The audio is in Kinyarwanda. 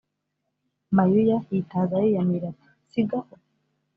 mayuya yitaza yiyamira ati sigaho!!!